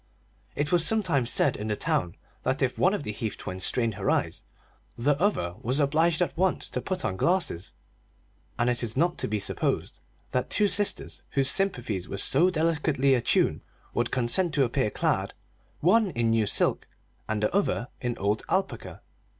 It was sometimes said in the town that if one of the Heath twins strained her eyes, the other one was obliged at once to put on glasses; and it is not to be supposed that two sisters whose sympathies were so delicately attuned would consent to appear clad one in new silk and the other in old alpaca.